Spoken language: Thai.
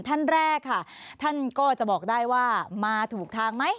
ท่านแรกค่ะท่านก็จะบอกได้ว่ามาถูกทางไหม